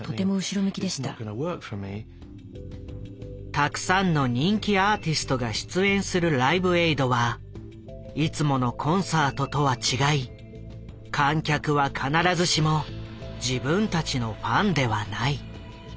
たくさんの人気アーティストが出演する「ライブエイド」はいつものコンサートとは違い観客は必ずしも自分たちのファンではない。